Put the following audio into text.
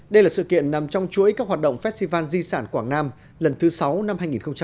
đây là sự kiện nằm trong chuỗi các hoạt động festival di sản quảng nam lần thứ sáu năm hai nghìn một mươi chín